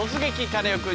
カネオくん」。